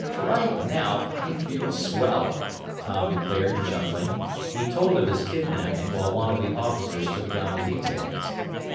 "Right now I feel swell!" Tom declared, chuckling. He told of his kidnaping, while one of the officers took down the details.